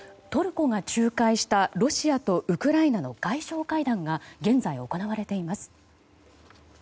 トルコが仲介したロシアとウクライナの外相会談が現在、行われています。